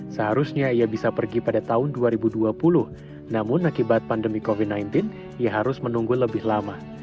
seharusnya ia bisa pergi pada tahun dua ribu dua puluh namun akibat pandemi covid sembilan belas ia harus menunggu lebih lama